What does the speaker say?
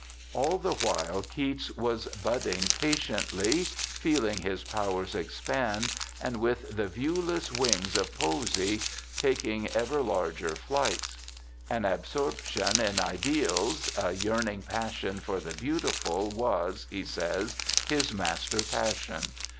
All the while Keats was 'budding patiently ', feehng his powers expand, and with the 'viewless wings of Poesy ' taking ever larger flights. An absorption in ideals, a yearning passion for the beautiful, was, he says, his master passion.